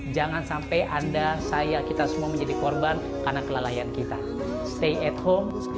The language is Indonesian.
jangan sampai anda saya kita semua menjadi korban karena kelalaian kita stay at home